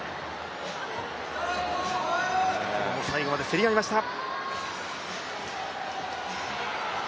２人とも最後まで競り合いました。